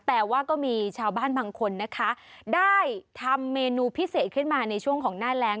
แต่ว่าก็มีชาวบ้านบางคนนะคะได้ทำเมนูพิเศษขึ้นมาในช่วงของหน้าแรง